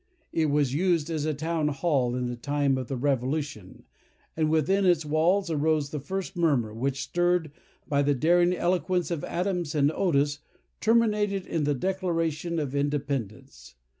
It was used as a town hall in the time of the Revolution; and within its walls arose the first murmur, which, stirred by the daring eloquence of Adams and Otis, terminated in the Declaration of Independence.